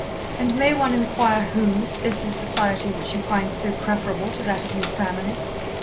"And may one inquire whose is the society which you find so preferable to that of your family?"